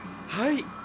はい。